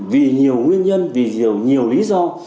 vì nhiều nguyên nhân vì nhiều lý do